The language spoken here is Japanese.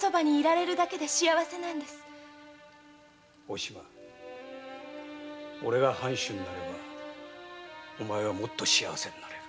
おしまおれが藩主になればお前はもっと幸せになれる。